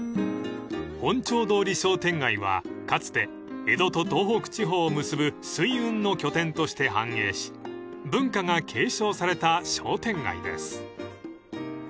［本町通り商店街はかつて江戸と東北地方を結ぶ水運の拠点として繁栄し文化が継承された商店街です］